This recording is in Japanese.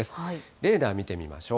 レーダー見てみましょう。